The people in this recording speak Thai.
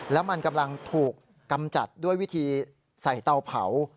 แล้วมันกำลังถูกกำจัดด้วยวิธีใส่เตาเผา